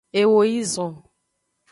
Eo yi zon.